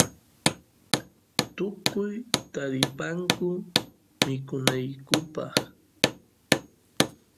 tukuy taripayku mikunaykupaq